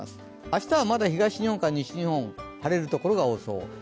明日は、また東日本から西日本、晴れる所が多そう。